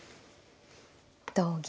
同銀。